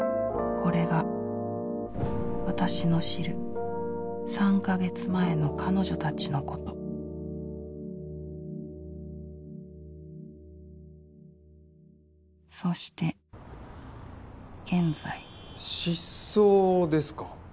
これが私の知る３か月前の彼女たちのことそして現在失踪ですか。